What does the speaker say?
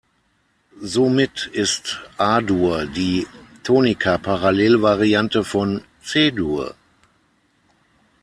Somit ist A-Dur die Tonikaparallel-Variante von C-Dur.